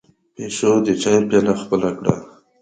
پيشو د چای پياله خپله کړه.